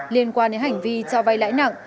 liên quan đến hành vi cho vai lãi nặng